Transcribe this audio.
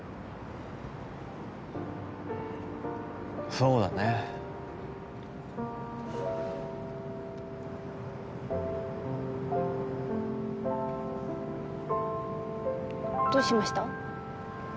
そうだねどうしました？